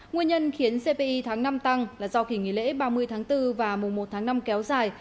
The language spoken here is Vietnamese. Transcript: nguyên nhân khiến cpi tháng năm tăng là do kỳ nghỉ lễ ba mươi tháng bốn và mùa một tháng năm kéo dài